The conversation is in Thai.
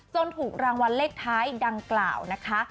ถูกรางวัลเลขท้ายดังกล่าวนะคะ